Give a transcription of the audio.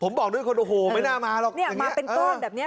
ผมบอกด้วยคนโอ้โหไม่น่ามาหรอกเนี่ยมาเป็นก้อนแบบเนี้ย